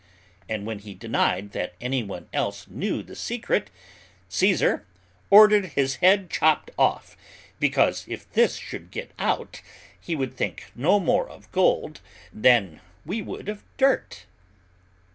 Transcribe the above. And when he denied that anyone else knew the secret, Caesar ordered his head chopped off, because if this should get out, we would think no more of gold than we would of dirt."